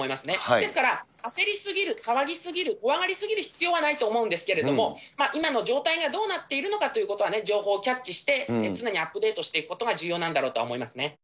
ですから焦りすぎる、騒ぎすぎる、怖がりすぎる必要はないと思うんですけれども、今の状態がどうなっているのかということは、情報をキャッチして、常にアップデートしていくことが重要なんだろうと思いますね。